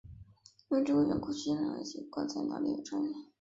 因为这个缘故徐静蕾的籍贯在哪里有争议。